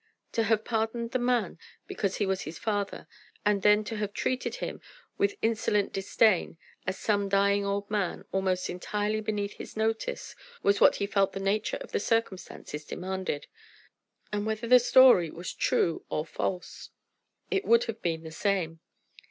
To have pardoned the man because he was his father, and then to have treated him with insolent disdain, as some dying old man, almost entirely beneath his notice, was what he felt the nature of the circumstances demanded. And whether the story was true or false it would have been the same.